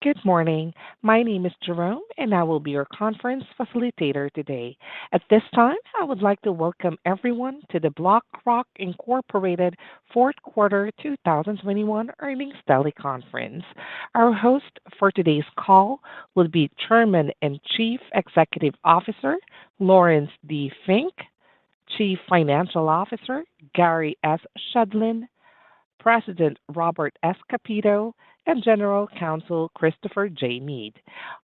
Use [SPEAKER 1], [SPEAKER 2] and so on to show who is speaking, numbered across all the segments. [SPEAKER 1] Good morning. My name is Jerome, and I will be your conference facilitator today. At this time, I would like to welcome everyone to the BlackRock, Inc. fourth quarter 2021 earnings teleconference. Our host for today's call will be Chairman and Chief Executive Officer Laurence D. Fink, Chief Financial Officer Gary S. Shedlin, President Robert S. Kapito, and General Counsel Christopher J. Meade.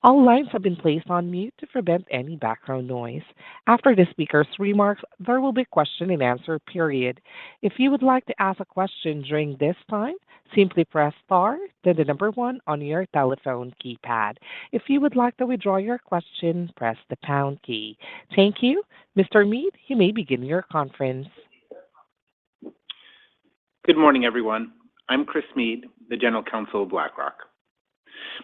[SPEAKER 1] All lines have been placed on mute to prevent any background noise. After the speakers' remarks, there will be question and answer period. If you would like to ask a question during this time, simply press star, then the number one on your telephone keypad. If you would like to withdraw your question, press the pound key. Thank you. Mr. Meade, you may begin your conference.
[SPEAKER 2] Good morning, everyone. I'm Chris Meade, the General Counsel of BlackRock.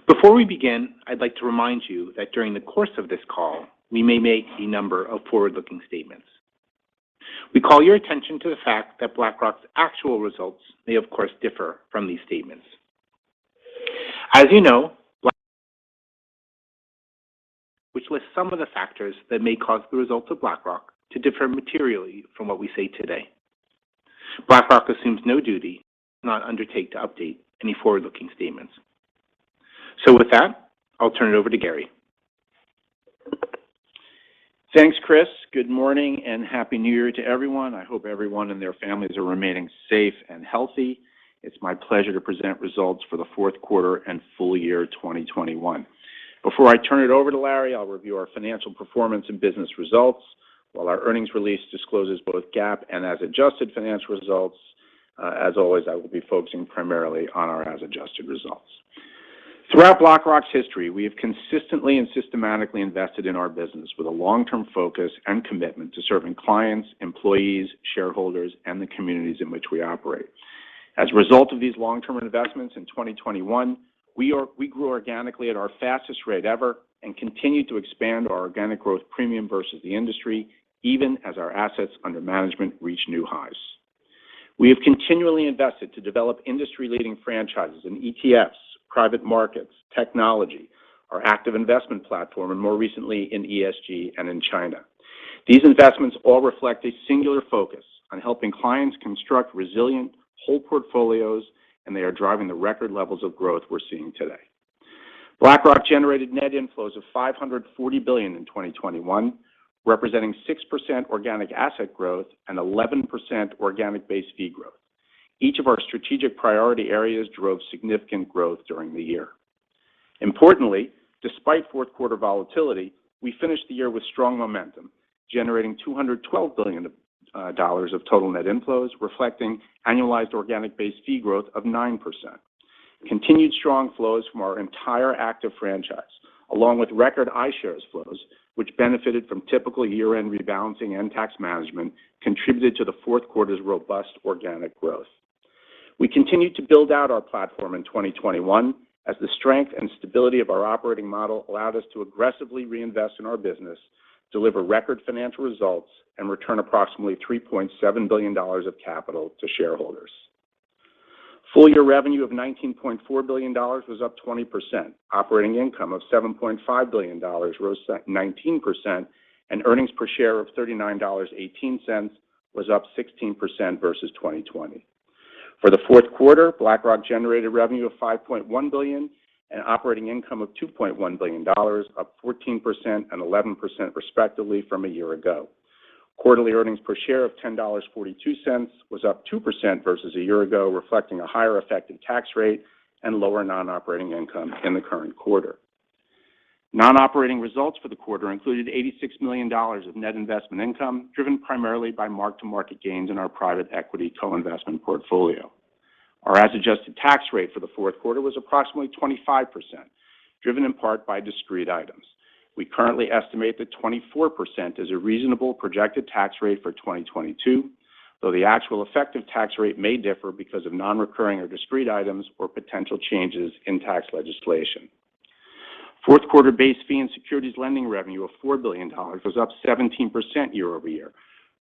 [SPEAKER 2] Before we begin, I'd like to remind you that during the course of this call, we may make a number of forward-looking statements. We call your attention to the fact that BlackRock's actual results may, of course, differ from these statements. As you know, our filings list some of the factors that may cause the results of BlackRock to differ materially from what we say today. BlackRock assumes no duty to update any forward-looking statements. With that, I'll turn it over to Gary.
[SPEAKER 3] Thanks, Chris. Good morning and happy new year to everyone. I hope everyone and their families are remaining safe and healthy. It's my pleasure to present results for the fourth quarter and full year 2021. Before I turn it over to Larry, I'll review our financial performance and business results. While our earnings release discloses both GAAP and as adjusted financial results, as always, I will be focusing primarily on our as adjusted results. Throughout BlackRock's history, we have consistently and systematically invested in our business with a long-term focus and commitment to serving clients, employees, shareholders, and the communities in which we operate. As a result of these long-term investments in 2021, we grew organically at our fastest rate ever and continued to expand our organic growth premium versus the industry, even as our assets under management reached new highs. We have continually invested to develop industry-leading franchises in ETFs, private markets, technology, our active investment platform, and more recently in ESG and in China. These investments all reflect a singular focus on helping clients construct resilient whole portfolios, and they are driving the record levels of growth we're seeing today. BlackRock generated net inflows of $540 billion in 2021, representing 6% organic asset growth and 11% organic base fee growth. Each of our strategic priority areas drove significant growth during the year. Importantly, despite fourth quarter volatility, we finished the year with strong momentum, generating $212 billion of total net inflows, reflecting annualized organic base fee growth of 9%. Continued strong flows from our entire active franchise, along with record iShares flows, which benefited from typical year-end rebalancing and tax management, contributed to the fourth quarter's robust organic growth. We continued to build out our platform in 2021 as the strength and stability of our operating model allowed us to aggressively reinvest in our business, deliver record financial results, and return approximately $3.7 billion of capital to shareholders. Full year revenue of $19.4 billion was up 20%. Operating income of $7.5 billion rose 19%, and earnings per share of $39.18 was up 16% versus 2020. For the fourth quarter, BlackRock generated revenue of $5.1 billion and operating income of $2.1 billion, up 14% and 11% respectively from a year ago. Quarterly earnings per share of $10.42 was up 2% versus a year ago, reflecting a higher effective tax rate and lower non-operating income in the current quarter. Non-operating results for the quarter included $86 million of net investment income, driven primarily by mark-to-market gains in our private equity co-investment portfolio. Our as-adjusted tax rate for the fourth quarter was approximately 25%, driven in part by discrete items. We currently estimate that 24% is a reasonable projected tax rate for 2022, though the actual effective tax rate may differ because of non-recurring or discrete items or potential changes in tax legislation. Fourth quarter base fee and securities lending revenue of $4 billion was up 17% year-over-year,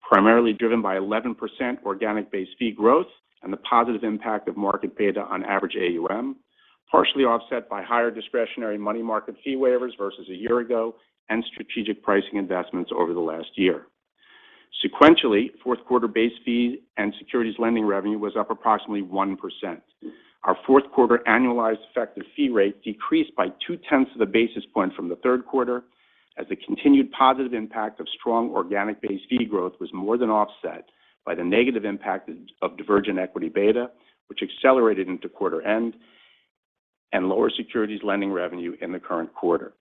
[SPEAKER 3] primarily driven by 11% organic base fee growth and the positive impact of market beta on average AUM, partially offset by higher discretionary money market fee waivers versus a year ago and strategic pricing investments over the last year. Sequentially, fourth quarter base fee and securities lending revenue was up approximately 1%. Our fourth quarter annualized effective fee rate decreased by 0.2 basis point from the third quarter as the continued positive impact of strong organic base fee growth was more than offset by the negative impact of divergent equity beta, which accelerated into quarter end and lower securities lending revenue in the current quarter.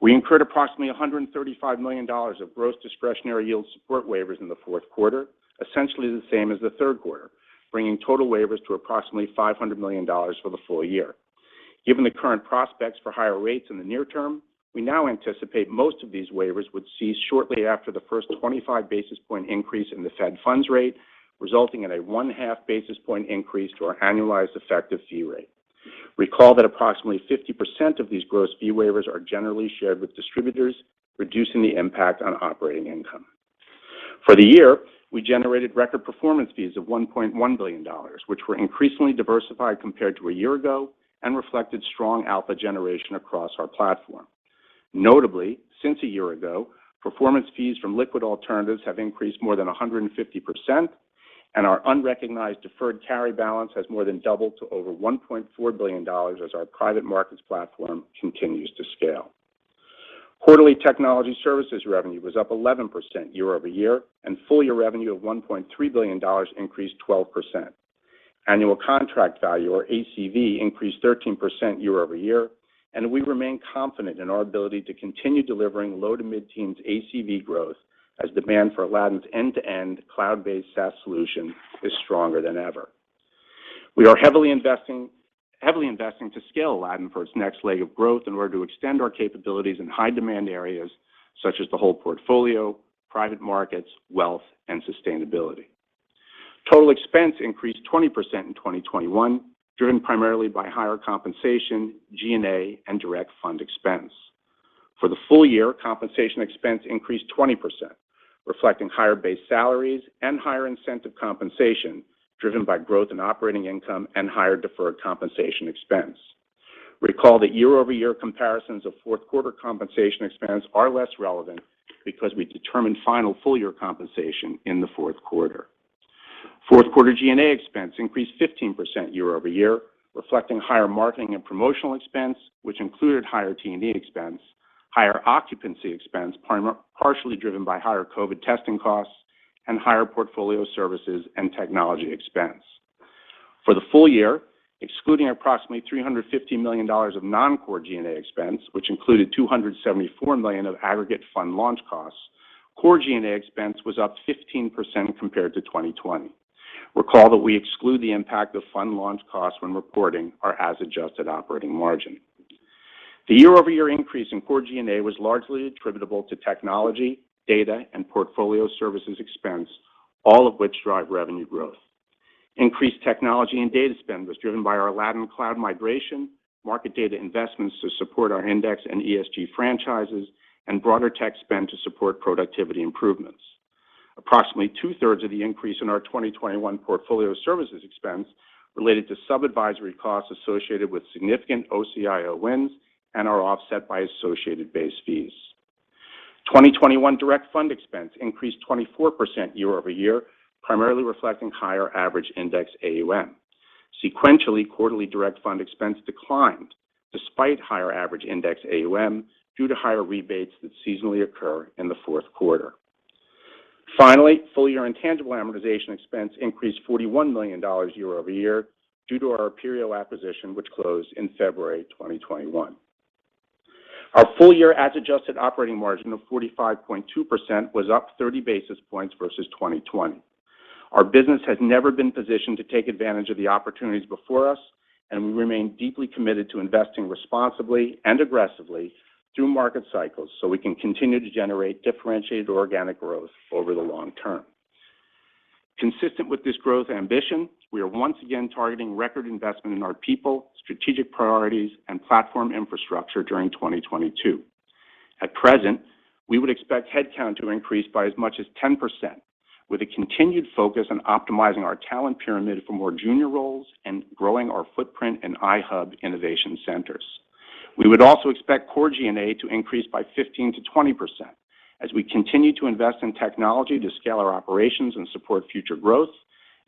[SPEAKER 3] We incurred approximately $135 million of gross discretionary yield support waivers in the fourth quarter, essentially the same as the third quarter, bringing total waivers to approximately $500 million for the full year. Given the current prospects for higher rates in the near term, we now anticipate most of these waivers would cease shortly after the first 25 basis point increase in the Fed funds rate, resulting in a 0.5 basis point increase to our annualized effective fee rate. Recall that approximately 50% of these gross fee waivers are generally shared with distributors, reducing the impact on operating income. For the year, we generated record performance fees of $1.1 billion, which were increasingly diversified compared to a year ago and reflected strong alpha generation across our platform. Notably, since a year ago, performance fees from liquid alternatives have increased more than 150%, and our unrecognized deferred carry balance has more than doubled to over $1.4 billion as our private markets platform continues to scale. Quarterly technology services revenue was up 11% year-over-year, and full year revenue of $1.3 billion increased 12%. Annual contract value, or ACV, increased 13% year-over-year, and we remain confident in our ability to continue delivering low- to mid-teens ACV growth as demand for Aladdin's end-to-end cloud-based SaaS solution is stronger than ever. We are heavily investing to scale Aladdin for its next leg of growth in order to extend our capabilities in high demand areas such as the whole portfolio, private markets, wealth, and sustainability. Total expense increased 20% in 2021, driven primarily by higher compensation, G&A, and direct fund expense. For the full year, compensation expense increased 20%, reflecting higher base salaries and higher incentive compensation, driven by growth in operating income and higher deferred compensation expense. Recall that year-over-year comparisons of fourth quarter compensation expense are less relevant because we determine final full year compensation in the fourth quarter. Fourth quarter G&A expense increased 15% year-over-year, reflecting higher marketing and promotional expense, which included higher T&E expense, higher occupancy expense, partially driven by higher COVID testing costs, and higher portfolio services and technology expense. For the full year, excluding approximately $350 million of non-core G&A expense, which included $274 million of aggregate fund launch costs, core G&A expense was up 15% compared to 2020. Recall that we exclude the impact of fund launch costs when reporting our as-adjusted operating margin. The year-over-year increase in core G&A was largely attributable to technology, data, and portfolio services expense, all of which drive revenue growth. Increased technology and data spend was driven by our Aladdin cloud migration, market data investments to support our index and ESG franchises, and broader tech spend to support productivity improvements. Approximately two-thirds of the increase in our 2021 portfolio services expense related to sub-advisory costs associated with significant OCIO wins and are offset by associated base fees. 2021 direct fund expense increased 24% year-over-year, primarily reflecting higher average index AUM. Sequentially, quarterly direct fund expense declined despite higher average index AUM due to higher rebates that seasonally occur in the fourth quarter. Finally, full year intangible amortization expense increased $41 million year-over-year due to our Aperio acquisition, which closed in February 2021. Our full year as-adjusted operating margin of 45.2% was up 30 basis points versus 2020. Our business has never been positioned to take advantage of the opportunities before us, and we remain deeply committed to investing responsibly and aggressively through market cycles, so we can continue to generate differentiated organic growth over the long term. Consistent with this growth ambition, we are once again targeting record investment in our people, strategic priorities, and platform infrastructure during 2022. At present, we would expect headcount to increase by as much as 10%, with a continued focus on optimizing our talent pyramid for more junior roles and growing our footprint in iHub innovation centers. We would also expect core G&A to increase by 15%-20% as we continue to invest in technology to scale our operations and support future growth,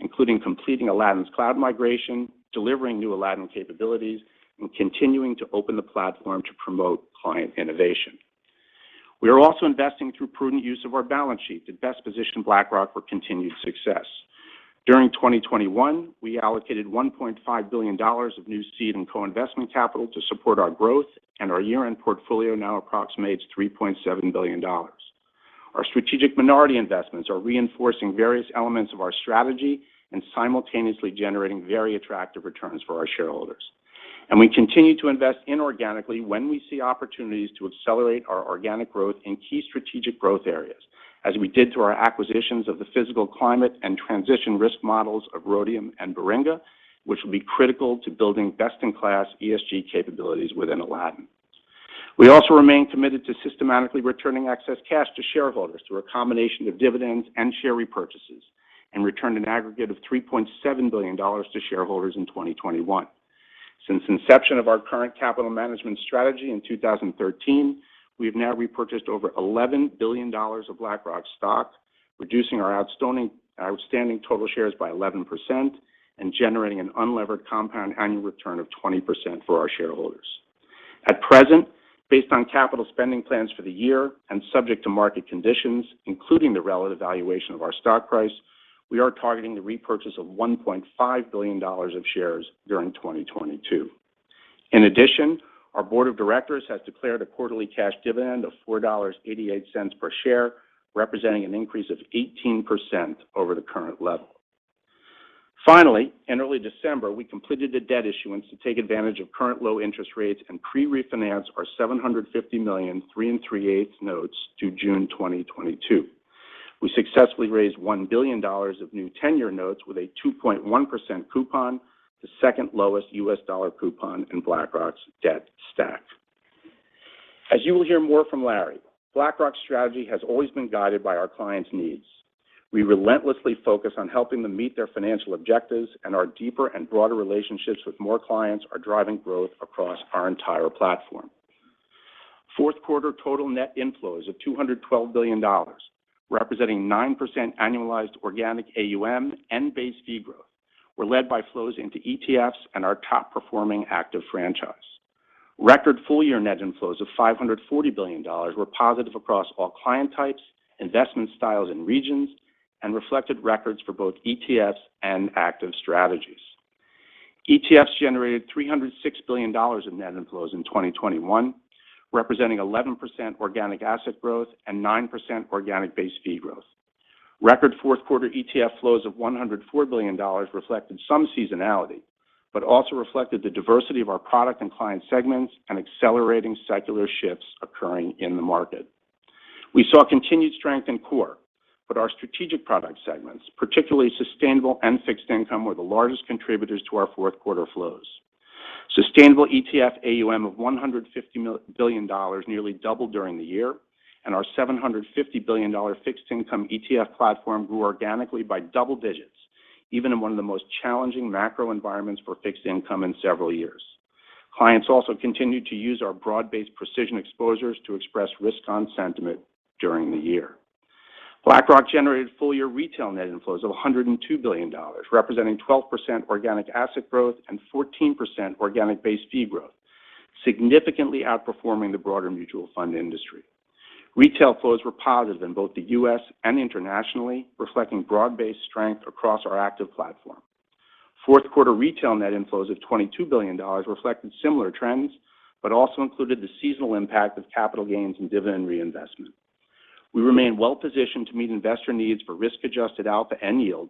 [SPEAKER 3] including completing Aladdin's cloud migration, delivering new Aladdin capabilities, and continuing to open the platform to promote client innovation. We are also investing through prudent use of our balance sheet to best position BlackRock for continued success. During 2021, we allocated $1.5 billion of new seed and co-investment capital to support our growth, and our year-end portfolio now approximates $3.7 billion. Our strategic minority investments are reinforcing various elements of our strategy and simultaneously generating very attractive returns for our shareholders. We continue to invest inorganically when we see opportunities to accelerate our organic growth in key strategic growth areas, as we did through our acquisitions of the physical climate and transition risk models of Rhodium and Baringa, which will be critical to building best-in-class ESG capabilities within Aladdin. We also remain committed to systematically returning excess cash to shareholders through a combination of dividends and share repurchases, and returned an aggregate of $3.7 billion to shareholders in 2021. Since inception of our current capital management strategy in 2013, we have now repurchased over $11 billion of BlackRock stock, reducing our outstanding total shares by 11% and generating an unlevered compound annual return of 20% for our shareholders. At present, based on capital spending plans for the year and subject to market conditions, including the relative valuation of our stock price, we are targeting the repurchase of $1.5 billion of shares during 2022. In addition, our board of directors has declared a quarterly cash dividend of $4.88 per share, representing an increase of 18% over the current level. Finally, in early December, we completed a debt issuance to take advantage of current low interest rates and pre-refinance our $750 million 3 3/8 notes to June 2022. We successfully raised $1 billion of new ten-year notes with a 2.1% coupon, the second lowest US dollar coupon in BlackRock's debt stack. As you will hear more from Larry, BlackRock's strategy has always been guided by our clients' needs. We relentlessly focus on helping them meet their financial objectives, and our deeper and broader relationships with more clients are driving growth across our entire platform. Fourth quarter total net inflows of $212 billion, representing 9% annualized organic AUM and base fee growth, were led by flows into ETFs and our top-performing active franchise. Record full-year net inflows of $540 billion were positive across all client types, investment styles and regions, and reflected records for both ETFs and active strategies. ETFs generated $306 billion in net inflows in 2021, representing 11% organic asset growth and 9% organic base fee growth. Record fourth quarter ETF flows of $104 billion reflected some seasonality but also reflected the diversity of our product and client segments and accelerating secular shifts occurring in the market. We saw continued strength in core, but our strategic product segments, particularly sustainable and fixed income, were the largest contributors to our fourth quarter flows. Sustainable ETF AUM of $150 billion nearly doubled during the year, and our $750 billion fixed income ETF platform grew organically by double digits, even in one of the most challenging macro environments for fixed income in several years. Clients also continued to use our broad-based precision exposures to express risk-on sentiment during the year. BlackRock generated full-year retail net inflows of $102 billion, representing 12% organic asset growth and 14% organic base fee growth, significantly outperforming the broader mutual fund industry. Retail flows were positive in both the U.S. and internationally, reflecting broad-based strength across our active platform. Fourth quarter retail net inflows of $22 billion reflected similar trends but also included the seasonal impact of capital gains and dividend reinvestment. We remain well positioned to meet investor needs for risk-adjusted alpha and yield,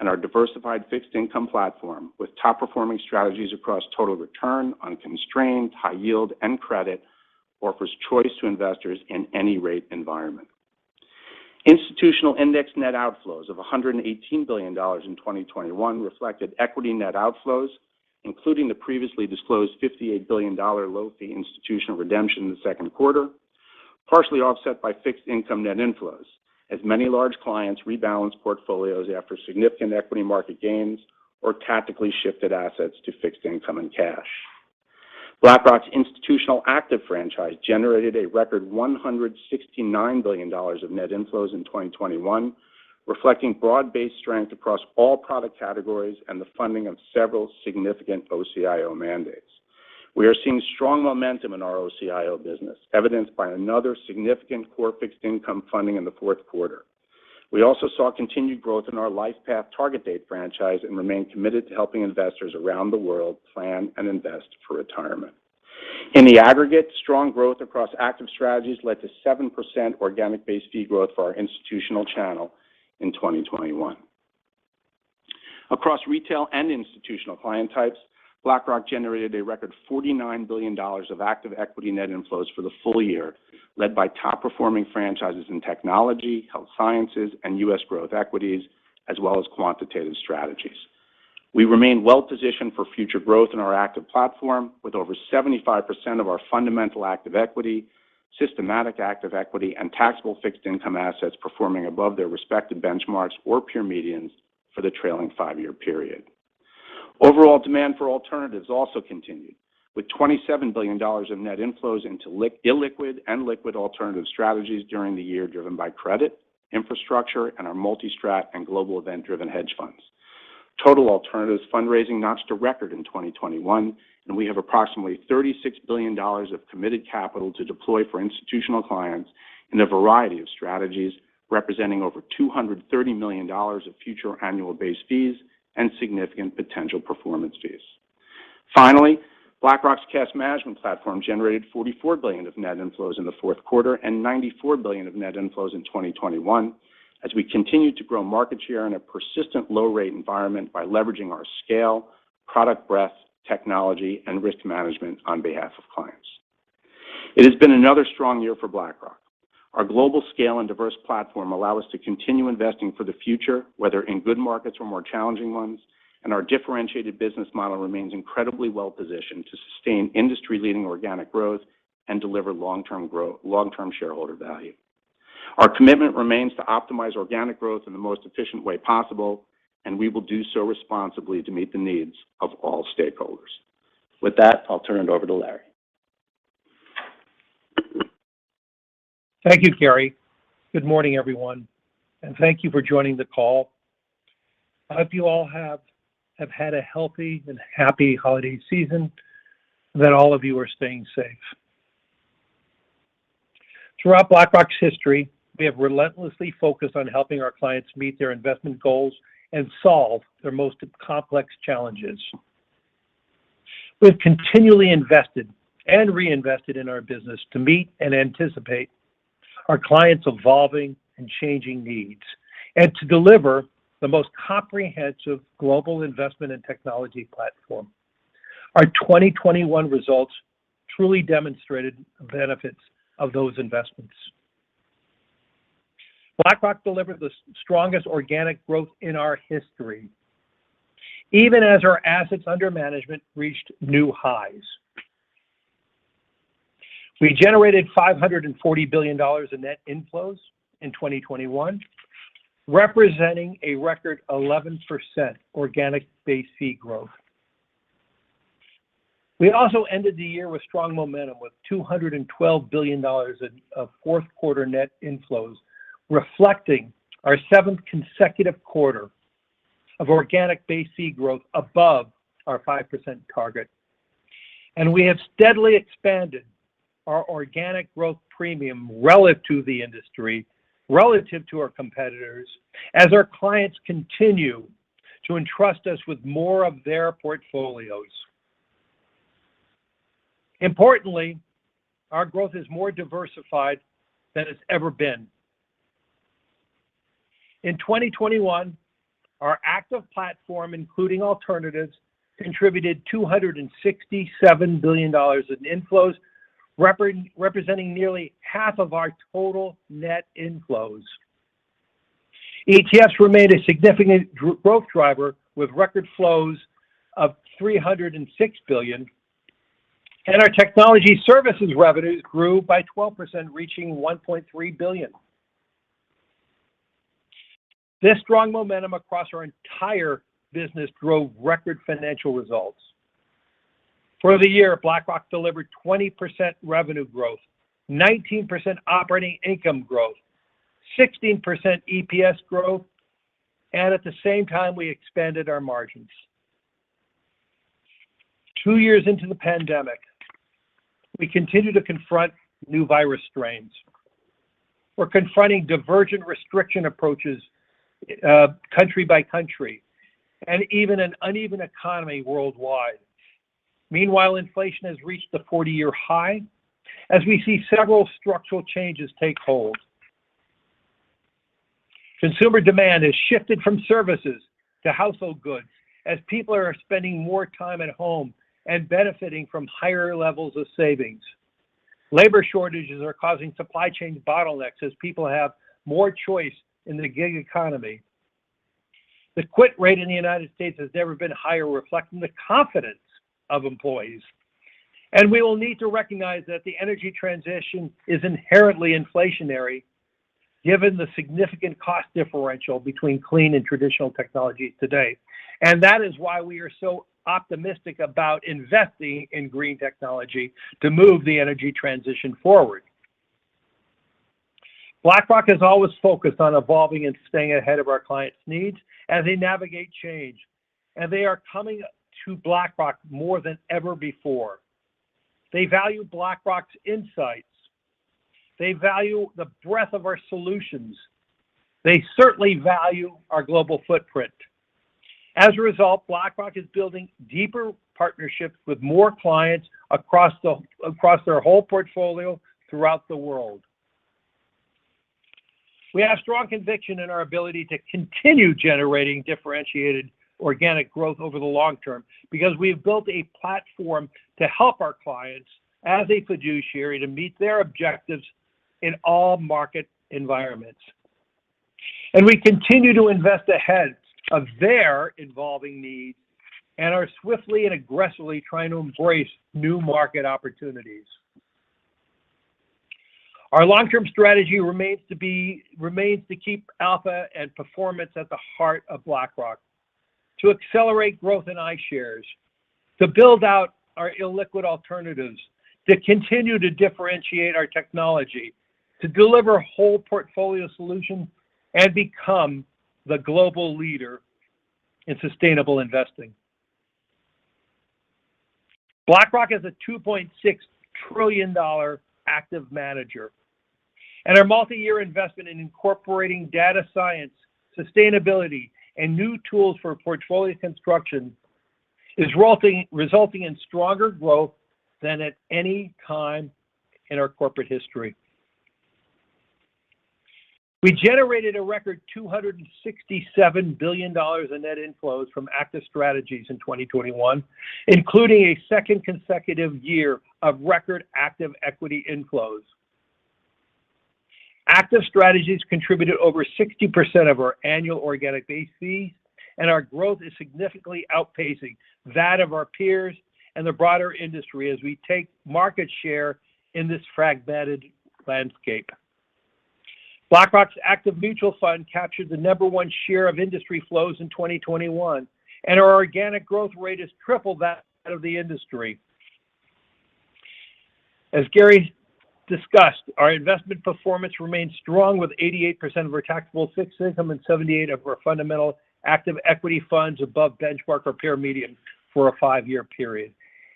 [SPEAKER 3] and our diversified fixed income platform, with top-performing strategies across total return, unconstrained, high yield, and credit, offers choice to investors in any rate environment. Institutional index net outflows of $118 billion in 2021 reflected equity net outflows, including the previously disclosed $58 billion low-fee institutional redemption in the second quarter, partially offset by fixed income net inflows, as many large clients rebalanced portfolios after significant equity market gains or tactically shifted assets to fixed income and cash. BlackRock's institutional active franchise generated a record $169 billion of net inflows in 2021, reflecting broad-based strength across all product categories and the funding of several significant OCIO mandates. We are seeing strong momentum in our OCIO business, evidenced by another significant core fixed income funding in the fourth quarter. We also saw continued growth in our LifePath target date franchise and remain committed to helping investors around the world plan and invest for retirement. In the aggregate, strong growth across active strategies led to 7% organic base fee growth for our institutional channel in 2021. Across retail and institutional client types, BlackRock generated a record $49 billion of active equity net inflows for the full year, led by top-performing franchises in technology, health sciences, and U.S. growth equities, as well as quantitative strategies. We remain well-positioned for future growth in our active platform, with over 75% of our fundamental active equity, systematic active equity, and taxable fixed income assets performing above their respective benchmarks or peer medians for the trailing five-year period. Overall demand for alternatives also continued, with $27 billion of net inflows into illiquid and liquid alternative strategies during the year, driven by credit, infrastructure, and our multi-strat and global event-driven hedge funds. Total alternatives fundraising notched a record in 2021, and we have approximately $36 billion of committed capital to deploy for institutional clients in a variety of strategies, representing over $230 million of future annual base fees and significant potential performance fees. Finally, BlackRock's cash management platform generated $44 billion of net inflows in the fourth quarter and $94 billion of net inflows in 2021 as we continued to grow market share in a persistent low-rate environment by leveraging our scale, product breadth, technology, and risk management on behalf of clients. It has been another strong year for BlackRock. Our global scale and diverse platform allow us to continue investing for the future, whether in good markets or more challenging ones, and our differentiated business model remains incredibly well-positioned to sustain industry-leading organic growth and deliver long-term shareholder value. Our commitment remains to optimize organic growth in the most efficient way possible, and we will do so responsibly to meet the needs of all stakeholders. With that, I'll turn it over to Larry.
[SPEAKER 4] Thank you, Gary. Good morning, everyone, and thank you for joining the call. I hope you all have had a healthy and happy holiday season, and that all of you are staying safe. Throughout BlackRock's history, we have relentlessly focused on helping our clients meet their investment goals and solve their most complex challenges. We've continually invested and reinvested in our business to meet and anticipate our clients' evolving and changing needs and to deliver the most comprehensive global investment and technology platform. Our 2021 results truly demonstrated the benefits of those investments. BlackRock delivered the strongest organic growth in our history, even as our assets under management reached new highs. We generated $540 billion in net inflows in 2021, representing a record 11% organic base fee growth. We also ended the year with strong momentum, with $212 billion of fourth quarter net inflows, reflecting our seventh consecutive quarter of organic base fee growth above our 5% target. We have steadily expanded our organic growth premium relative to the industry, relative to our competitors, as our clients continue to entrust us with more of their portfolios. Importantly, our growth is more diversified than it's ever been. In 2021, our active platform, including alternatives, contributed $267 billion in inflows, representing nearly half of our total net inflows. ETFs remained a significant growth driver with record flows of $306 billion, and our technology services revenues grew by 12%, reaching $1.3 billion. This strong momentum across our entire business drove record financial results. For the year, BlackRock delivered 20% revenue growth, 19% operating income growth, 16% EPS growth, and at the same time, we expanded our margins. Two years into the pandemic, we continue to confront new virus strains. We're confronting divergent restriction approaches, country by country and even an uneven economy worldwide. Meanwhile, inflation has reached a 40-year high as we see several structural changes take hold. Consumer demand has shifted from services to household goods as people are spending more time at home and benefiting from higher levels of savings. Labor shortages are causing supply chain bottlenecks as people have more choice in the gig economy. The quit rate in the United States has never been higher, reflecting the confidence of employees. We will need to recognize that the energy transition is inherently inflationary given the significant cost differential between clean and traditional technologies today. That is why we are so optimistic about investing in green technology to move the energy transition forward. BlackRock has always focused on evolving and staying ahead of our clients' needs as they navigate change, and they are coming to BlackRock more than ever before. They value BlackRock's insights. They value the breadth of our solutions. They certainly value our global footprint. As a result, BlackRock is building deeper partnerships with more clients across their whole portfolio throughout the world. We have strong conviction in our ability to continue generating differentiated organic growth over the long term because we have built a platform to help our clients as a fiduciary to meet their objectives in all market environments. We continue to invest ahead of their evolving needs and are swiftly and aggressively trying to embrace new market opportunities. Our long-term strategy remains to keep alpha and performance at the heart of BlackRock, to accelerate growth in iShares, to build out our illiquid alternatives, to continue to differentiate our technology, to deliver whole portfolio solutions, and become the global leader in sustainable investing. BlackRock is a $2.6 trillion active manager, and our multi-year investment in incorporating data science, sustainability, and new tools for portfolio construction is resulting in stronger growth than at any time in our corporate history. We generated a record $267 billion in net inflows from active strategies in 2021, including a second consecutive year of record active equity inflows. Active strategies contributed over 60% of our annual organic base fees, and our growth is significantly outpacing that of our peers and the broader industry as we take market share in this fragmented landscape. BlackRock's active mutual fund captured the number one share of industry flows in 2021, and our organic growth rate is triple that of the industry. As Gary discussed, our investment performance remains strong with 88% of our taxable fixed income and 78% of our fundamental active equity funds above benchmark or peer median for a five-year period.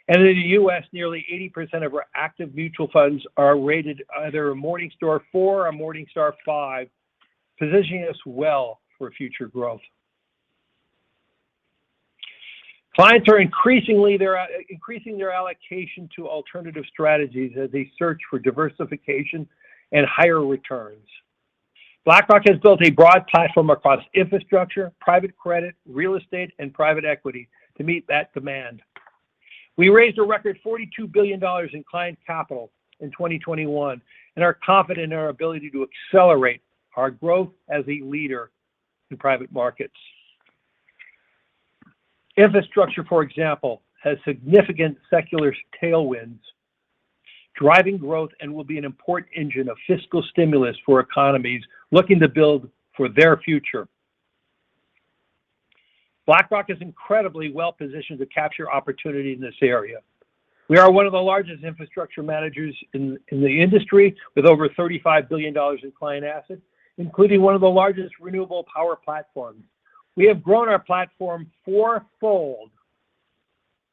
[SPEAKER 4] In the U.S., nearly 80% of our active mutual funds are rated either a Morningstar 4 or a Morningstar 5, positioning us well for future growth. Clients are increasing their allocation to alternative strategies as they search for diversification and higher returns. BlackRock has built a broad platform across infrastructure, private credit, real estate, and private equity to meet that demand. We raised a record $42 billion in client capital in 2021 and are confident in our ability to accelerate our growth as a leader in private markets. Infrastructure, for example, has significant secular tailwinds driving growth and will be an important engine of fiscal stimulus for economies looking to build for their future. BlackRock is incredibly well-positioned to capture opportunity in this area. We are one of the largest infrastructure managers in the industry with over $35 billion in client assets, including one of the largest renewable power platforms. We have grown our platform four-fold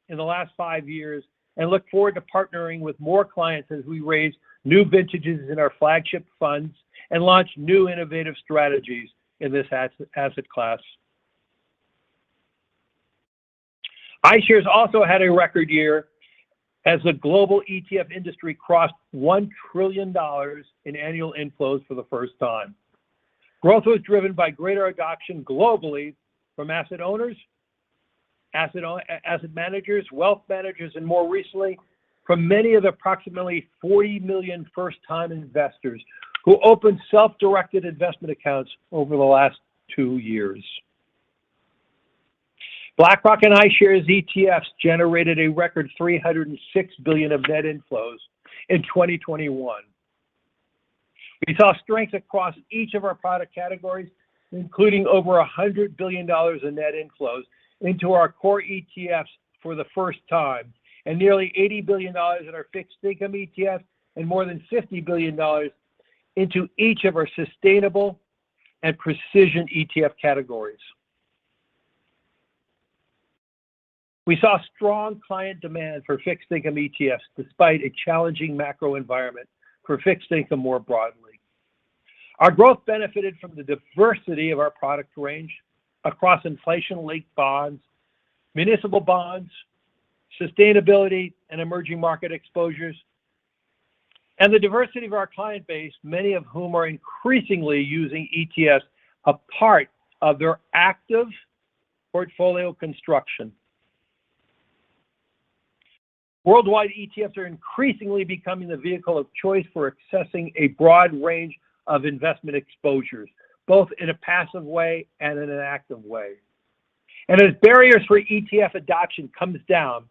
[SPEAKER 4] in the last five years and look forward to partnering with more clients as we raise new vintages in our flagship funds and launch new innovative strategies in this asset class. iShares also had a record year as the global ETF industry crossed $1 trillion in annual inflows for the first time. Growth was driven by greater adoption globally from asset owners, asset managers, wealth managers, and more recently, from many of the approximately 40 million first-time investors who opened self-directed investment accounts over the last two years. BlackRock and iShares ETFs generated a record $306 billion of net inflows in 2021. We saw strength across each of our product categories, including over $100 billion in net inflows into our core ETFs for the first time and nearly $80 billion in our fixed income ETFs and more than $50 billion into each of our sustainable and precision ETF categories. We saw strong client demand for fixed income ETFs despite a challenging macro environment for fixed income more broadly. Our growth benefited from the diversity of our product range across inflation-linked bonds, municipal bonds, sustainability, and emerging market exposures, and the diversity of our client base, many of whom are increasingly using ETFs as part of their active portfolio construction. Worldwide, ETFs are increasingly becoming the vehicle of choice for accessing a broad range of investment exposures, both in a passive way and in an active way. As barriers for ETF adoption come down,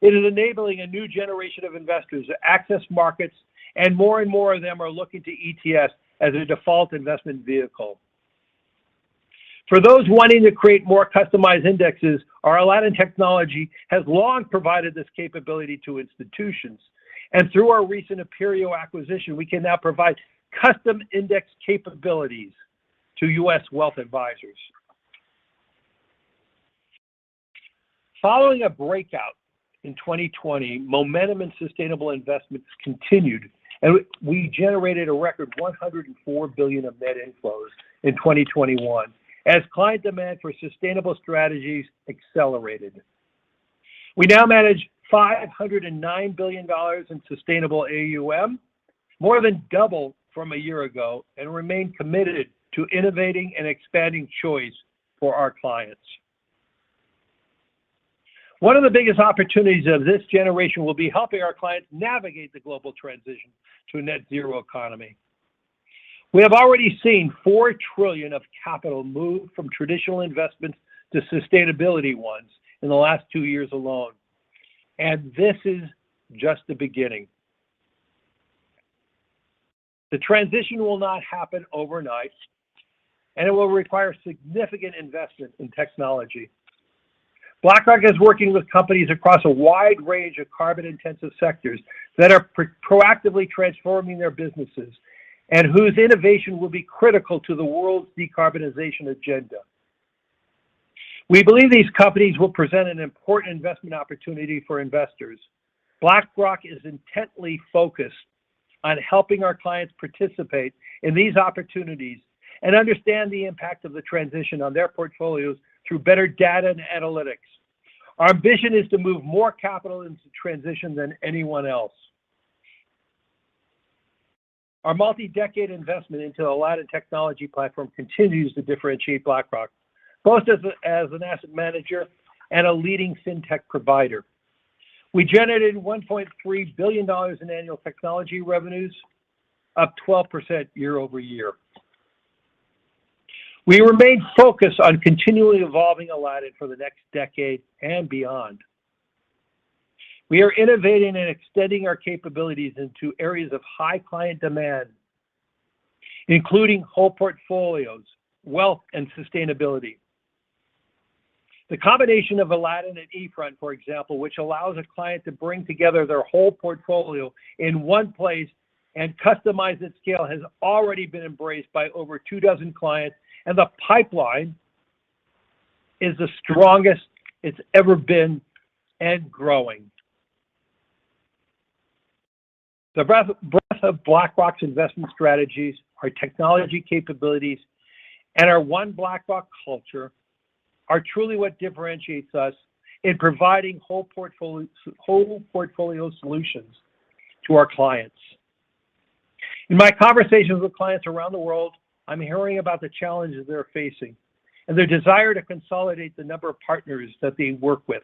[SPEAKER 4] it is enabling a new generation of investors to access markets, and more and more of them are looking to ETFs as a default investment vehicle. For those wanting to create more customized indexes, our Aladdin technology has long provided this capability to institutions, and through our recent Aperio acquisition, we can now provide custom index capabilities to U.S. wealth advisors. Following a breakout in 2020, momentum in sustainable investments continued, and we generated a record $104 billion of net inflows in 2021 as client demand for sustainable strategies accelerated. We now manage $509 billion in sustainable AUM, more than double from a year ago, and remain committed to innovating and expanding choice for our clients. One of the biggest opportunities of this generation will be helping our clients navigate the global transition to a net zero economy. We have already seen $4 trillion of capital move from traditional investments to sustainable ones in the last two years alone, and this is just the beginning. The transition will not happen overnight, and it will require significant investment in technology. BlackRock is working with companies across a wide range of carbon-intensive sectors that are proactively transforming their businesses and whose innovation will be critical to the world's decarbonization agenda. We believe these companies will present an important investment opportunity for investors. BlackRock is intently focused on helping our clients participate in these opportunities and understand the impact of the transition on their portfolios through better data and analytics. Our ambition is to move more capital into transition than anyone else. Our multi-decade investment into Aladdin technology platform continues to differentiate BlackRock, both as an asset manager and a leading fintech provider. We generated $1.3 billion in annual technology revenues, up 12% year-over-year. We remain focused on continually evolving Aladdin for the next decade and beyond. We are innovating and extending our capabilities into areas of high client demand, including whole portfolios, wealth, and sustainability. The combination of Aladdin and E*TRADE, for example, which allows a client to bring together their whole portfolio in one place and customize at scale, has already been embraced by over two dozen clients, and the pipeline is the strongest it's ever been and growing. The breadth of BlackRock's investment strategies, our technology capabilities, and our One BlackRock culture are truly what differentiates us in providing whole portfolio solutions to our clients. In my conversations with clients around the world, I'm hearing about the challenges they're facing and their desire to consolidate the number of partners that they work with.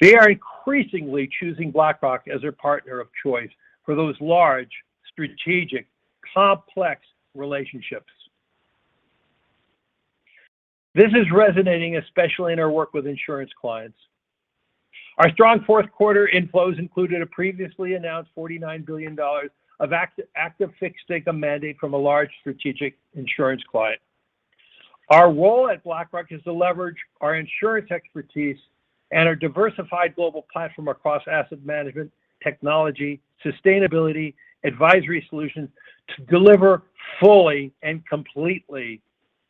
[SPEAKER 4] They are increasingly choosing BlackRock as their partner of choice for those large, strategic, complex relationships. This is resonating especially in our work with insurance clients. Our strong fourth quarter inflows included a previously announced $49 billion of active fixed income mandate from a large strategic insurance client. Our role at BlackRock is to leverage our insurance expertise and our diversified global platform across asset management, technology, sustainability, advisory solutions to deliver fully and completely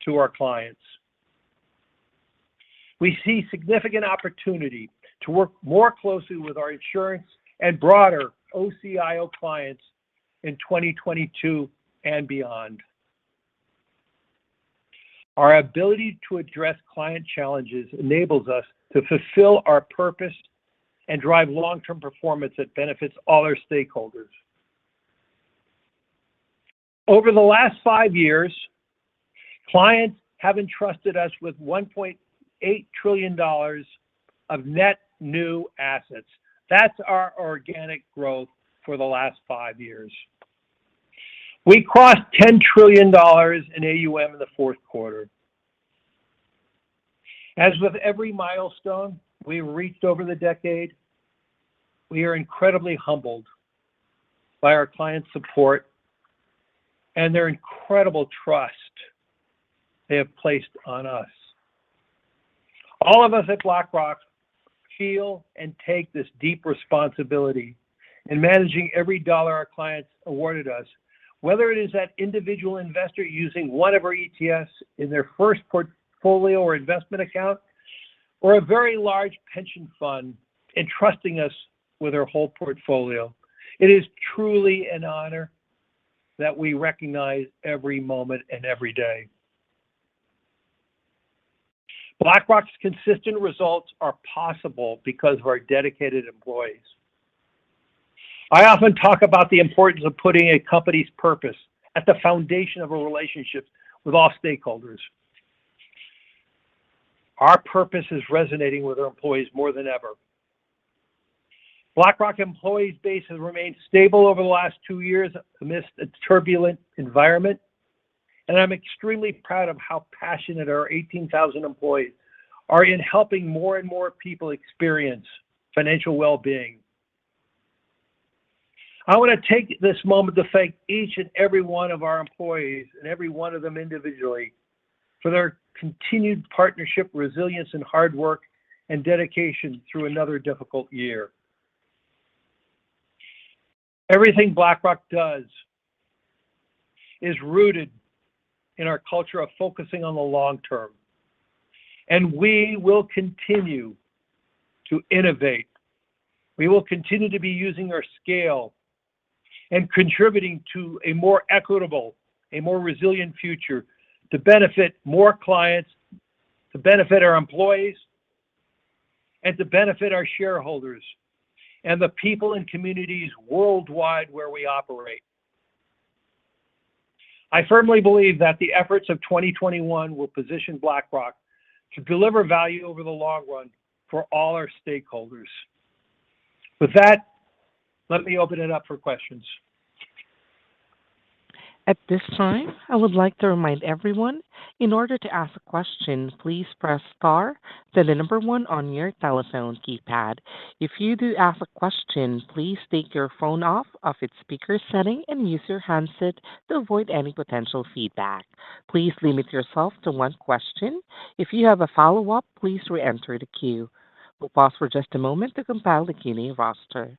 [SPEAKER 4] to our clients. We see significant opportunity to work more closely with our insurance and broader OCIO clients in 2022 and beyond. Our ability to address client challenges enables us to fulfill our purpose and drive long-term performance that benefits all our stakeholders. Over the last five years, clients have entrusted us with $1.8 trillion of net new assets. That's our organic growth for the last five years. We crossed $10 trillion in AUM in the fourth quarter. As with every milestone we reached over the decade, we are incredibly humbled by our clients' support and their incredible trust they have placed on us. All of us at BlackRock feel and take this deep responsibility in managing every dollar our clients awarded us, whether it is that individual investor using one of our ETFs in their first portfolio or investment account, or a very large pension fund entrusting us with their whole portfolio. It is truly an honor that we recognize every moment and every day. BlackRock's consistent results are possible because of our dedicated employees. I often talk about the importance of putting a company's purpose at the foundation of a relationship with all stakeholders. Our purpose is resonating with our employees more than ever. BlackRock employee base has remained stable over the last two years amidst a turbulent environment, and I'm extremely proud of how passionate our 18,000 employees are in helping more and more people experience financial well-being. I want to take this moment to thank each and every one of our employees, and every one of them individually, for their continued partnership, resilience, and hard work and dedication through another difficult year. Everything BlackRock does is rooted in our culture of focusing on the long term, and we will continue to innovate. We will continue to be using our scale and contributing to a more equitable, a more resilient future to benefit more clients, to benefit our employees, and to benefit our shareholders and the people and communities worldwide where we operate. I firmly believe that the efforts of 2021 will position BlackRock to deliver value over the long run for all our stakeholders. With that, let me open it up for questions.
[SPEAKER 1] At this time, I would like to remind everyone, in order to ask a question, please press star, then the number one on your telephone keypad. If you do ask a question, please take your phone off of its speaker setting and use your handset to avoid any potential feedback. Please limit yourself to one question. If you have a follow-up, please re-enter the queue. We'll pause for just a moment to compile the queue roster.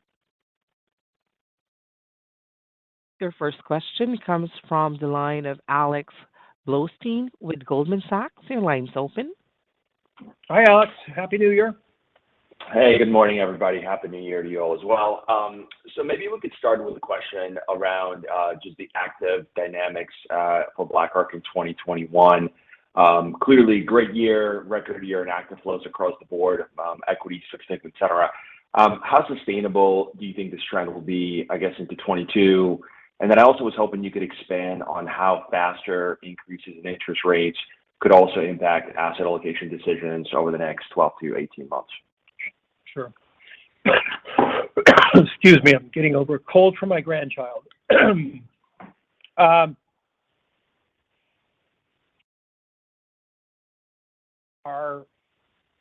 [SPEAKER 1] Your first question comes from the line of Alex Blostein with Goldman Sachs. Your line's open.
[SPEAKER 4] Hi, Alex. Happy New Year.
[SPEAKER 5] Hey, good morning, everybody. Happy New Year to you all as well. Maybe we could start with a question around just the active dynamics for BlackRock in 2021. Clearly great year, record year in active flows across the board, equity, fixed income, et cetera. How sustainable do you think this trend will be, I guess, into 2022? I also was hoping you could expand on how faster increases in interest rates could also impact asset allocation decisions over the next 12 to 18 months.
[SPEAKER 4] Sure. Excuse me, I'm getting over a cold from my grandchild. Our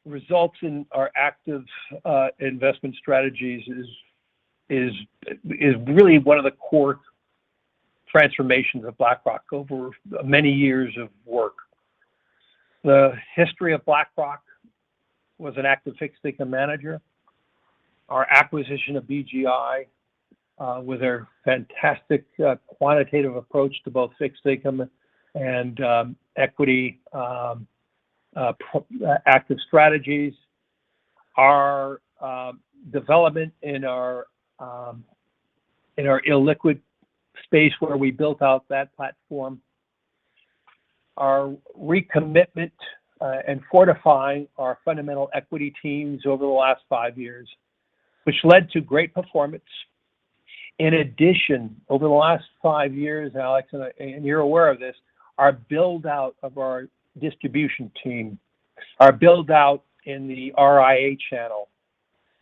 [SPEAKER 4] results in our active investment strategies is really one of the core transformations of BlackRock over many years of work. The history of BlackRock was an active fixed income manager. Our acquisition of BGI with their fantastic quantitative approach to both fixed income and equity active strategies, our development in our illiquid space where we built out that platform, our recommitment and fortifying our fundamental equity teams over the last five years, which led to great performance. In addition, over the last five years, Alex, and you're aware of this, our build-out of our distribution team, our build-out in the RIA channel,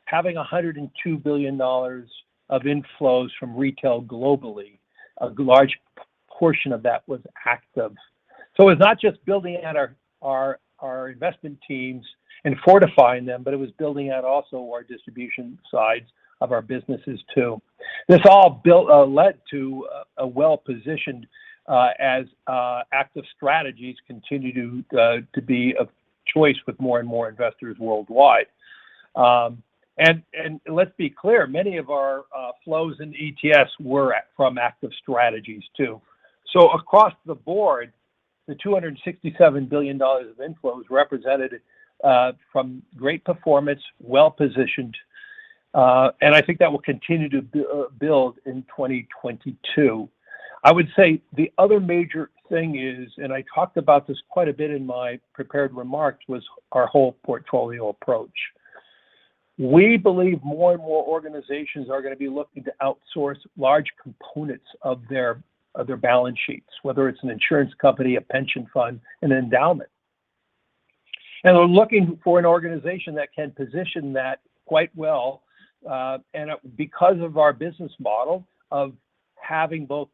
[SPEAKER 4] having $102 billion of inflows from retail globally, a large portion of that was active. It's not just building out our investment teams and fortifying them, but it was building out also our distribution sides of our businesses too. This all led to a well-positioned as active strategies continue to be a choice with more and more investors worldwide. Let's be clear, many of our flows in ETFs were from active strategies too. Across the board, the $267 billion of inflows represented great performance, well-positioned, and I think that will continue to build in 2022. I would say the other major thing is, I talked about this quite a bit in my prepared remarks, was our whole portfolio approach. We believe more and more organizations are gonna be looking to outsource large components of their balance sheets, whether it's an insurance company, a pension fund, an endowment. They're looking for an organization that can position that quite well. Because of our business model of having both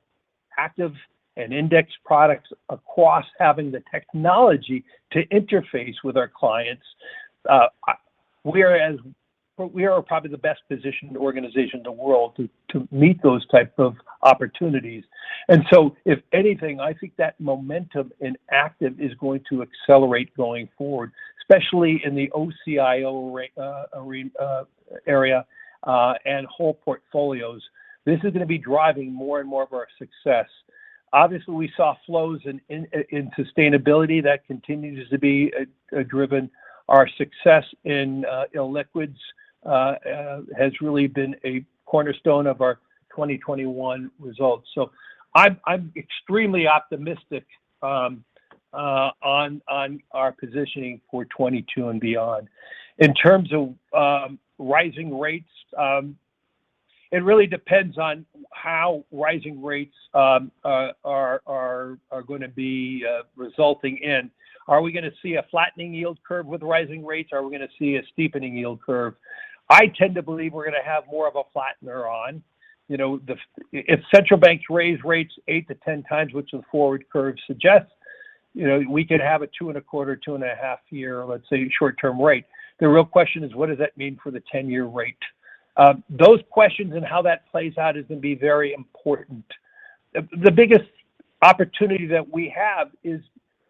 [SPEAKER 4] active and index products across having the technology to interface with our clients, we are probably the best positioned organization in the world to meet those type of opportunities. If anything, I think that momentum in active is going to accelerate going forward, especially in the OCIO area, and whole portfolios. This is gonna be driving more and more of our success. Obviously, we saw flows in sustainability that continues to be a driven. Our success in illiquids has really been a cornerstone of our 2021 results. I'm extremely optimistic on our positioning for 2022 and beyond. In terms of rising rates, it really depends on how rising rates are gonna be resulting in. Are we gonna see a flattening yield curve with rising rates? Are we gonna see a steepening yield curve? I tend to believe we're gonna have more of a flattener on. You know, if central banks raise rates eight to 10 times, which the forward curve suggests, you know, we could have a 2.25, 2.5-year, let's say, short-term rate. The real question is, what does that mean for the 10-year rate? Those questions and how that plays out is gonna be very important. The biggest opportunity that we have is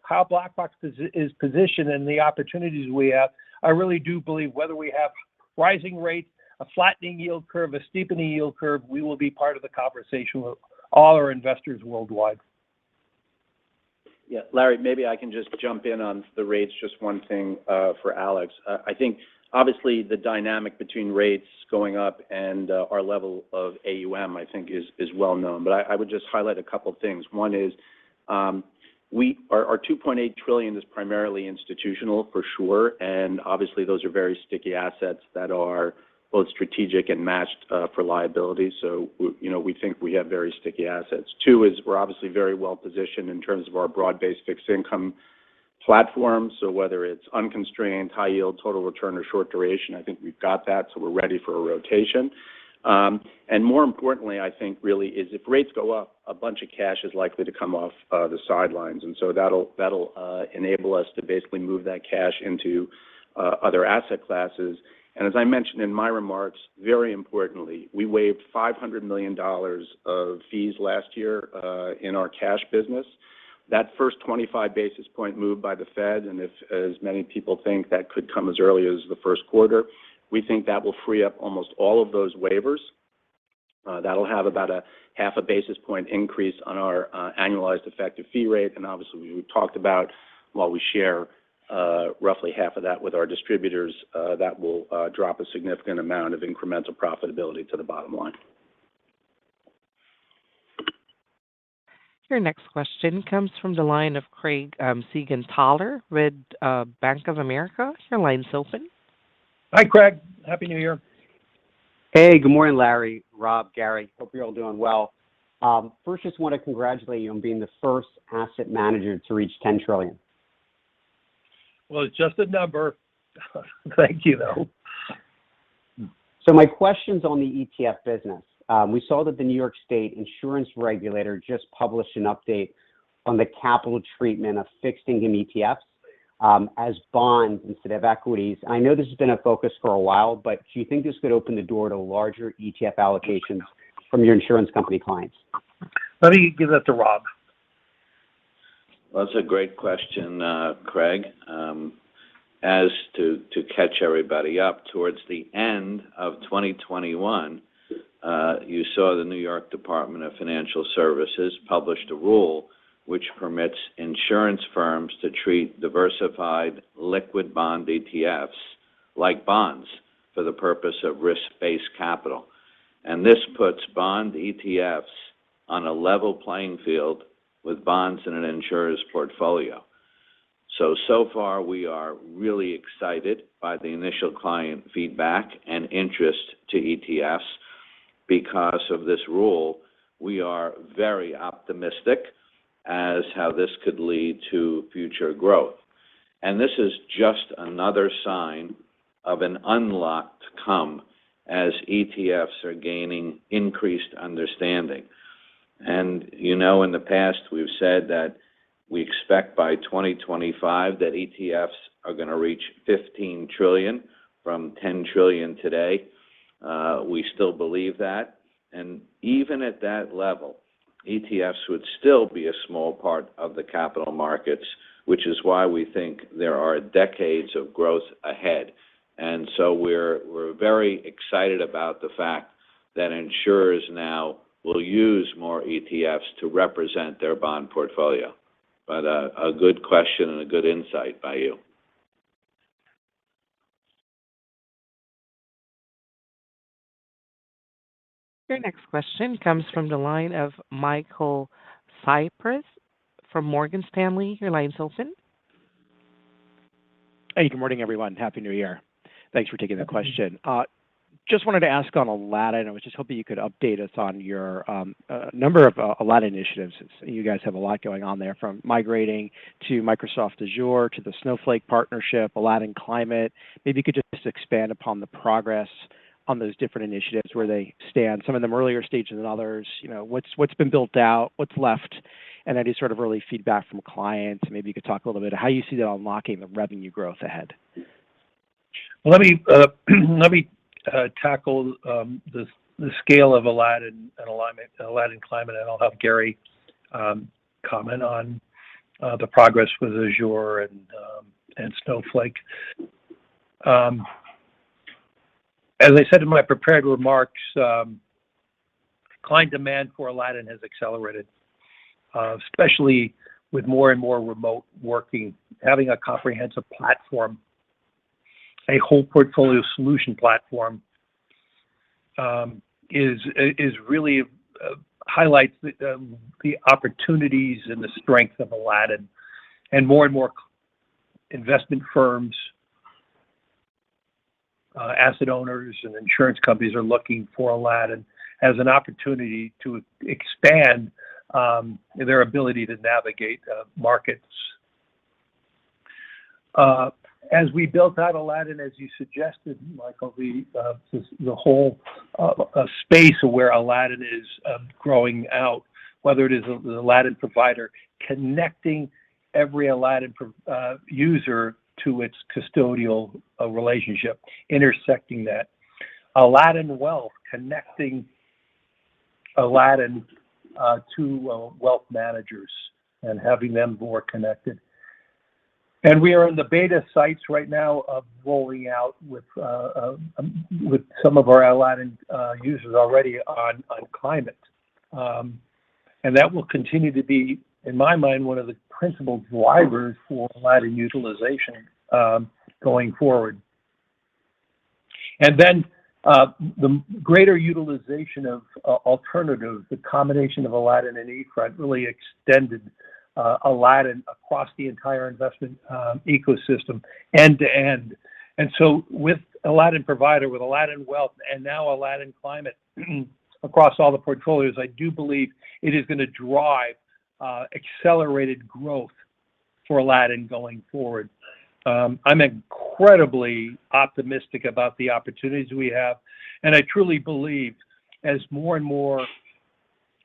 [SPEAKER 4] how BlackRock is positioned and the opportunities we have. I really do believe whether we have rising rates, a flattening yield curve, a steepening yield curve, we will be part of the conversation with all our investors worldwide.
[SPEAKER 3] Yeah. Larry, maybe I can just jump in on the rates, just one thing, for Alex. I think obviously the dynamic between rates going up and our level of AUM, I think, is well known. I would just highlight a couple things. One is our $2.8 trillion is primarily institutional, for sure, and obviously those are very sticky assets that are both strategic and matched for liability. You know, we think we have very sticky assets. Two is we're obviously very well-positioned in terms of our broad-based fixed income platform. So whether it's unconstrained, high yield, total return or short duration, I think we've got that, so we're ready for a rotation. More importantly, I think, really, is if rates go up, a bunch of cash is likely to come off the sidelines. That'll enable us to basically move that cash into other asset classes. As I mentioned in my remarks, very importantly, we waived $500 million of fees last year in our cash business. That first 25 basis point move by the Fed, and if as many people think, that could come as early as the first quarter, we think that will free up almost all of those waivers. That'll have about a half a basis point increase on our annualized effective fee rate. Obviously, we talked about, while we share roughly half of that with our distributors, that will drop a significant amount of incremental profitability to the bottom line.
[SPEAKER 1] Your next question comes from the line of Craig Siegenthaler with Bank of America. Your line's open.
[SPEAKER 4] Hi, Craig. Happy New Year.
[SPEAKER 6] Hey. Good morning, Larry, Rob, Gary. Hope you're all doing well. First just wanna congratulate you on being the first asset manager to reach $10 trillion.
[SPEAKER 4] Well, it's just a number. Thank you, though.
[SPEAKER 6] My question's on the ETF business. We saw that the New York Department of Financial Services just published an update on the capital treatment of fixed income ETFs, as bonds instead of equities. I know this has been a focus for a while, but do you think this could open the door to larger ETF allocations from your insurance company clients?
[SPEAKER 4] Let me give that to Rob.
[SPEAKER 7] That's a great question, Craig. To catch everybody up, toward the end of 2021, you saw the New York Department of Financial Services published a rule which permits insurance firms to treat diversified liquid bond ETFs like bonds for the purpose of risk-based capital. This puts bond ETFs on a level playing field with bonds in an insurer's portfolio. So far we are really excited by the initial client feedback and interest in ETFs. Because of this rule, we are very optimistic about how this could lead to future growth. This is just another sign of an unlocking comes as ETFs are gaining increased understanding. You know, in the past we've said that we expect by 2025 that ETFs are going to reach $15 trillion from $10 trillion today. We still believe that. Even at that level, ETFs would still be a small part of the capital markets, which is why we think there are decades of growth ahead. We're very excited about the fact that insurers now will use more ETFs to represent their bond portfolio. A good question and a good insight by you.
[SPEAKER 1] Your next question comes from the line of Michael Cyprys from Morgan Stanley. Your line's open.
[SPEAKER 8] Hey, good morning, everyone. Happy New Year. Thanks for taking the question. Just wanted to ask on Aladdin. I was just hoping you could update us on your number of Aladdin initiatives. You guys have a lot going on there, from migrating to Microsoft Azure to the Snowflake partnership, Aladdin Climate. Maybe you could just expand upon the progress on those different initiatives, where they stand. Some of them are in earlier stages than others. You know, what's been built out, what's left? And any sort of early feedback from clients. Maybe you could talk a little bit about how you see the unlocking of revenue growth ahead.
[SPEAKER 4] Let me tackle the scale of Aladdin and Aladdin Climate, and I'll have Gary comment on the progress with Azure and Snowflake. As I said in my prepared remarks, client demand for Aladdin has accelerated, especially with more and more remote working. Having a comprehensive platform, a whole portfolio solution platform, is really highlights the opportunities and the strength of Aladdin. More and more investment firms, asset owners, and insurance companies are looking for Aladdin as an opportunity to expand their ability to navigate markets. As we built out Aladdin, as you suggested, Michael, the whole space where Aladdin is growing out, whether it is Aladdin Provider connecting every Aladdin user to its custodial relationship, intersecting that. Aladdin Wealth connecting Aladdin to wealth managers and having them more connected. We are in the beta sites right now of rolling out with some of our Aladdin users already on Climate. That will continue to be, in my mind, one of the principal drivers for Aladdin utilization going forward. The greater utilization of alternatives, the combination of Aladdin and eFront really extended Aladdin across the entire investment ecosystem end-to-end. With Aladdin Provider, with Aladdin Wealth, and now Aladdin Climate across all the portfolios, I do believe it is going to drive accelerated growth for Aladdin going forward. I'm incredibly optimistic about the opportunities we have, and I truly believe as more and more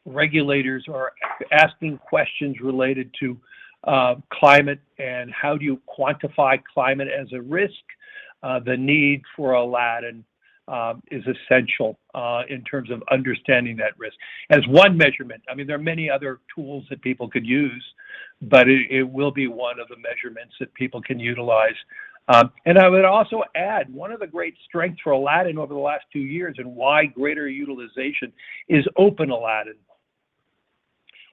[SPEAKER 4] regulators are asking questions related to climate and how do you quantify climate as a risk, the need for Aladdin is essential in terms of understanding that risk. As one measurement. I mean, there are many other tools that people could use, but it will be one of the measurements that people can utilize. I would also add, one of the great strengths for Aladdin over the last two years and why greater utilization is Open Aladdin.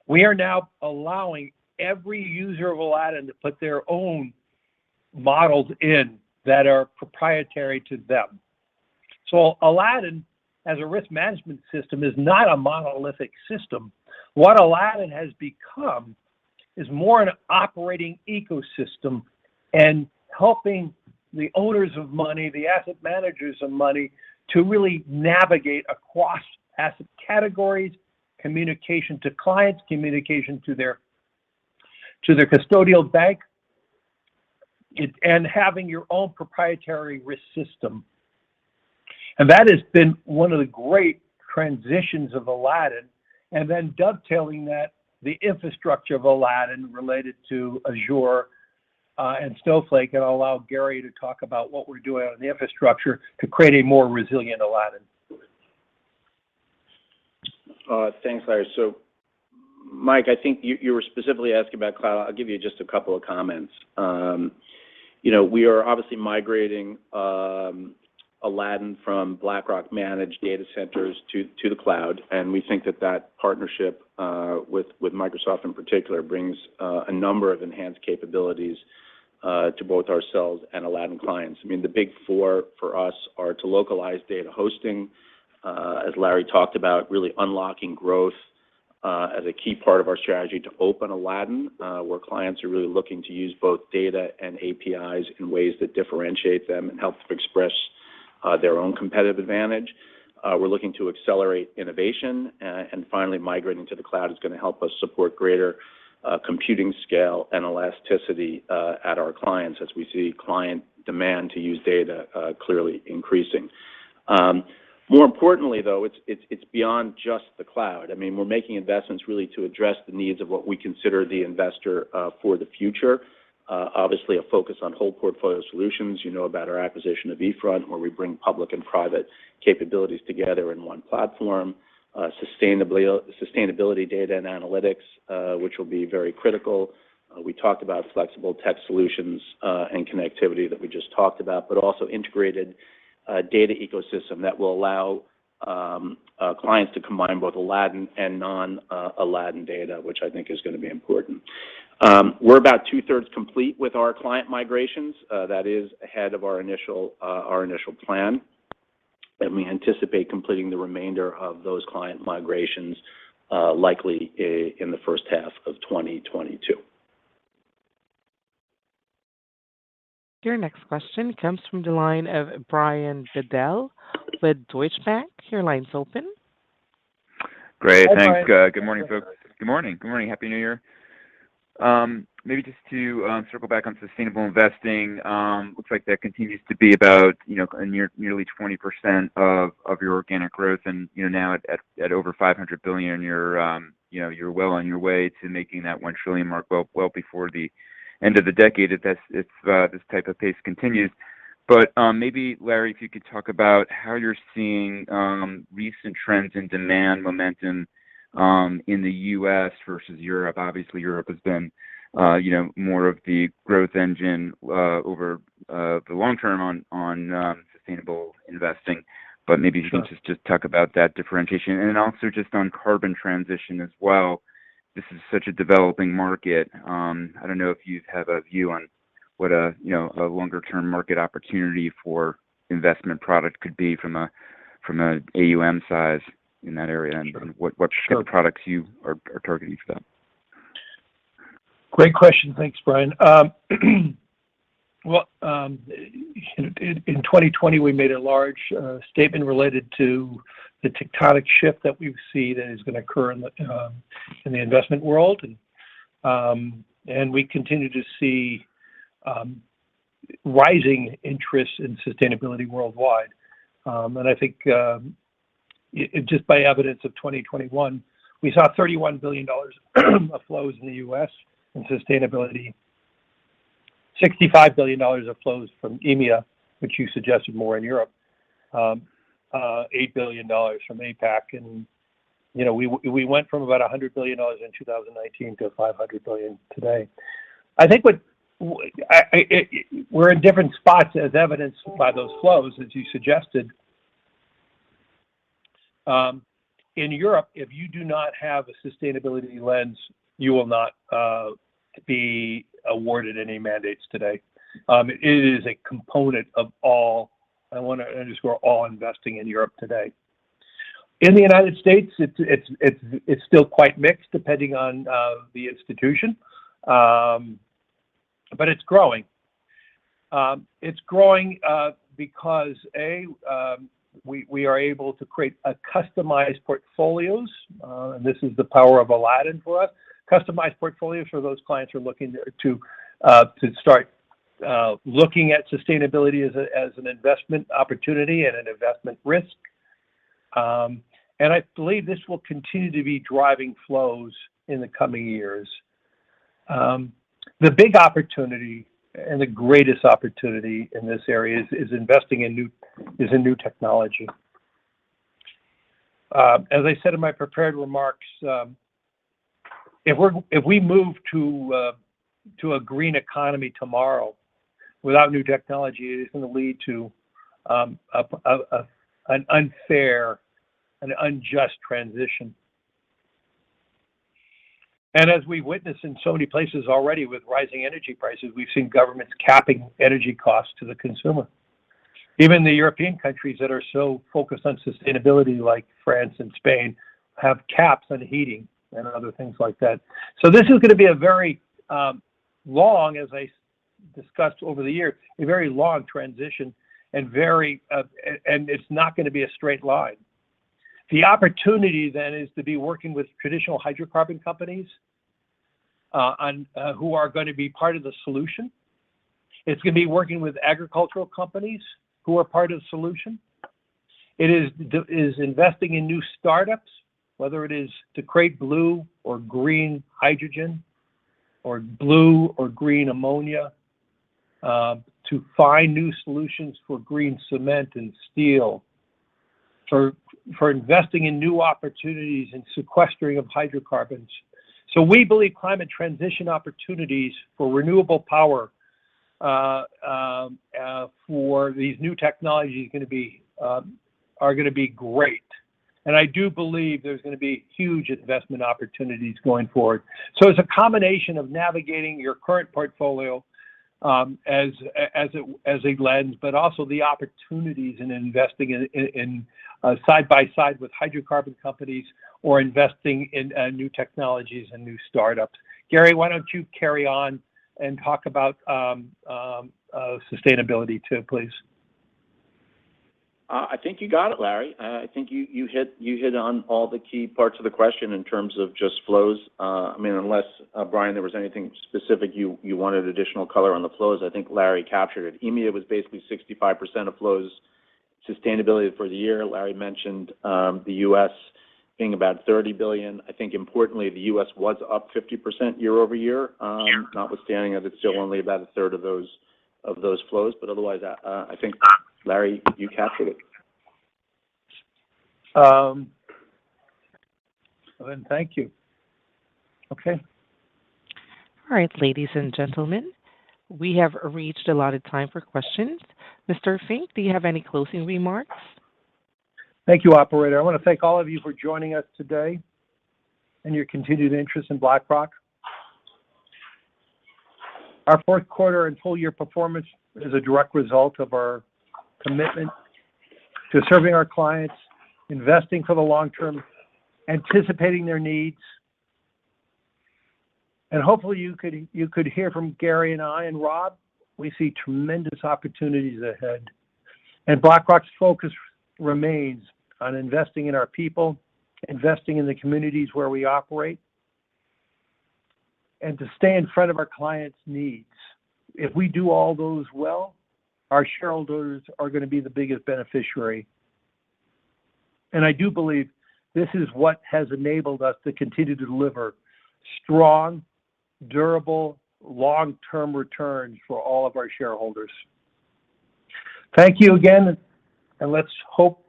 [SPEAKER 4] We are now allowing every user of Aladdin to put their own models in that are proprietary to them. Aladdin as a risk management system is not a monolithic system. What Aladdin has become is more an operating ecosystem and helping the owners of money, the asset managers of money, to really navigate across asset categories, communication to clients, communication to their custodial bank, and having your own proprietary risk system. That has been one of the great transitions of Aladdin, and then dovetailing that, the infrastructure of Aladdin related to Azure and Snowflake, and I'll allow Gary to talk about what we're doing on the infrastructure to create a more resilient Aladdin.
[SPEAKER 3] Thanks, Larry. Mike, I think you were specifically asking about cloud. I'll give you just a couple of comments. You know, we are obviously migrating Aladdin from BlackRock-managed data centers to the cloud. We think that partnership with Microsoft in particular brings a number of enhanced capabilities. To both ourselves and Aladdin clients. I mean, the big four for us are to localize data hosting, as Larry talked about, really unlocking growth, as a key part of our strategy to Open Aladdin, where clients are really looking to use both data and APIs in ways that differentiate them and help to express, their own competitive advantage. We're looking to accelerate innovation, and finally migrating to the cloud is gonna help us support greater, computing scale and elasticity, at our clients as we see client demand to use data, clearly increasing. More importantly though, it's beyond just the cloud. I mean, we're making investments really to address the needs of what we consider the investor for the future. Obviously a focus on whole portfolio solutions, you know about our acquisition of eFront, where we bring public and private capabilities together in one platform. Sustainability data and analytics, which will be very critical. We talked about flexible tech solutions and connectivity that we just talked about, but also integrated data ecosystem that will allow clients to combine both Aladdin and non-Aladdin data, which I think is gonna be important. We're about two-thirds complete with our client migrations. That is ahead of our initial plan. We anticipate completing the remainder of those client migrations, likely in the first half of 2022.
[SPEAKER 1] Your next question comes from the line of Brian Bedell with Deutsche Bank. Your line's open.
[SPEAKER 4] Hi, Brian.
[SPEAKER 9] Great. Thanks. Good morning, folks. Good morning. Happy New Year. Maybe just to circle back on sustainable investing, looks like that continues to be about, you know, nearly 20% of your organic growth and, you know, now at over $500 billion, you know, you're well on your way to making that $1 trillion mark well before the end of the decade if this type of pace continues. Maybe Larry, if you could talk about how you're seeing recent trends in demand momentum in the U.S. versus Europe. Obviously, Europe has been, you know, more of the growth engine over the long term on sustainable investing. Maybe you can just-
[SPEAKER 4] Sure...
[SPEAKER 9] just talk about that differentiation. Also just on carbon transition as well, this is such a developing market. I don't know if you have a view on what a, you know, a longer term market opportunity for investment product could be from a AUM size in that area and what.
[SPEAKER 4] Sure...
[SPEAKER 9] type of products you are targeting for that.
[SPEAKER 4] Great question. Thanks, Brian. Well, in 2020, we made a large statement related to the tectonic shift that we see that is gonna occur in the investment world. We continue to see rising interest in sustainability worldwide. I think just by evidence of 2021, we saw $31 billion of flows in the U.S. in sustainability, $65 billion of flows from EMEA, which you suggested more in Europe, $8 billion from APAC. You know, we went from about $100 billion in 2019 to $500 billion today. I think we're in different spots as evidenced by those flows, as you suggested. In Europe, if you do not have a sustainability lens, you will not be awarded any mandates today. It is a component of all. I wanna underscore all investing in Europe today. In the United States, it's still quite mixed depending on the institution, but it's growing. It's growing because we are able to create customized portfolios. This is the power of Aladdin for us. Customized portfolios for those clients who are looking to start looking at sustainability as an investment opportunity and an investment risk. I believe this will continue to be driving flows in the coming years. The big opportunity and the greatest opportunity in this area is investing in new technology. As I said in my prepared remarks, if we move to a green economy tomorrow without new technology, it is gonna lead to an unfair and unjust transition. As we witness in so many places already with rising energy prices, we've seen governments capping energy costs to the consumer. Even the European countries that are so focused on sustainability, like France and Spain, have caps on heating and other things like that. This is gonna be a very long transition, as I discussed over the years, and it's not gonna be a straight line. The opportunity then is to be working with traditional hydrocarbon companies who are gonna be part of the solution. It's gonna be working with agricultural companies who are part of the solution. It's investing in new startups, whether it is to create blue or green hydrogen or blue or green ammonia, to find new solutions for green cement and steel, for investing in new opportunities in sequestering of hydrocarbons. We believe climate transition opportunities for renewable power for these new technologies are gonna be great. I do believe there's gonna be huge investment opportunities going forward. It's a combination of navigating your current portfolio as a lens, but also the opportunities in investing in side by side with hydrocarbon companies or investing in new technologies and new startups. Gary, why don't you carry on and talk about sustainability too, please.
[SPEAKER 3] I think you got it, Larry. I think you hit on all the key parts of the question in terms of just flows. I mean, unless, Brian, there was anything specific you wanted additional color on the flows, I think Larry captured it. EMEA was basically 65% of sustainable flows for the year. Larry mentioned the U.S. being about $30 billion. I think importantly, the U.S. was up 50% year-over-year.
[SPEAKER 4] Yeah.
[SPEAKER 3] Notwithstanding that it's still only about a third of those flows. Otherwise, I think, Larry, you captured it.
[SPEAKER 9] Well, then. Thank you. Okay.
[SPEAKER 1] All right, ladies and gentlemen, we have reached allotted time for questions. Mr. Fink, do you have any closing remarks?
[SPEAKER 4] Thank you, operator. I wanna thank all of you for joining us today and your continued interest in BlackRock. Our fourth quarter and full year performance is a direct result of our commitment to serving our clients, investing for the long term, anticipating their needs. Hopefully, you could hear from Gary and I and Rob, we see tremendous opportunities ahead. BlackRock's focus remains on investing in our people, investing in the communities where we operate, and to stay in front of our clients' needs. If we do all those well, our shareholders are gonna be the biggest beneficiary. I do believe this is what has enabled us to continue to deliver strong, durable, long-term returns for all of our shareholders. Thank you again, and let's hope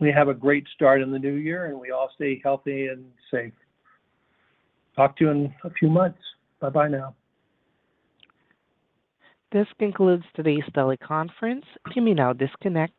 [SPEAKER 4] we have a great start in the new year, and we all stay healthy and safe. Talk to you in a few months. Bye-bye now.
[SPEAKER 1] This concludes today's teleconference. You may now disconnect.